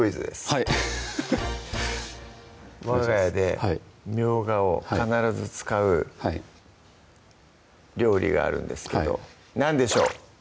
はいフフフッわが家でみょうがを必ず使う料理があるんですけど何でしょう？